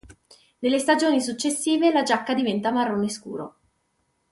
Nelle stagioni successive la giacca diventa marrone scuro.